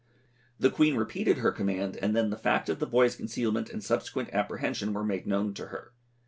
The Queen repeated her command, and then the fact of the boy's concealment and subsequent apprehension were made known to her.